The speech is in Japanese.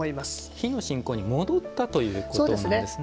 火の信仰に戻ったということなんですね。